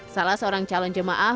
salah seorang calon jemaah